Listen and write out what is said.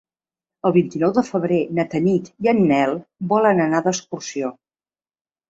El vint-i-nou de febrer na Tanit i en Nel volen anar d'excursió.